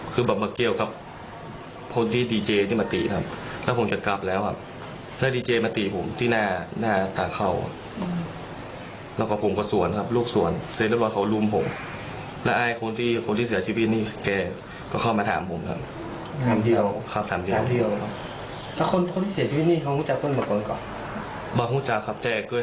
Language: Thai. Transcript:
คือบับเกียวครับโคลนที่ดีเจที่มาตีครับแล้วผมกำลังจะกลับแล้วครับ